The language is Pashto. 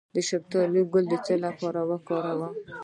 د شفتالو ګل د څه لپاره وکاروم؟